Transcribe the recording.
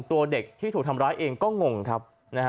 ตัวเด็กที่ถูกทำร้ายเองก็งงครับนะฮะ